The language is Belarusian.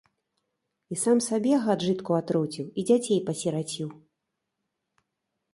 І сам сабе, гад, жытку атруціў, і дзяцей пасіраціў.